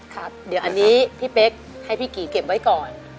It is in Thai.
ครับเดี๋ยวอันนี้พี่เป๊กให้พี่กีเก็บไว้ก่อน